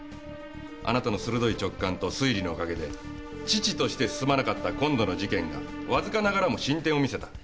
あなたの鋭い直感と推理のおかげで遅々として進まなかった今度の事件がわずかながらも進展を見せた。